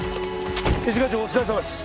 一課長お疲れさまです。